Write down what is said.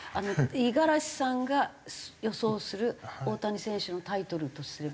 五十嵐さんが予想する大谷選手のタイトルとすれば？